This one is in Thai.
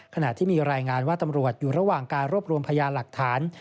ขณะที่มีรายงานว่าตำรวจอยู่ระหว่างการรวบรวมพยานหลักฐาน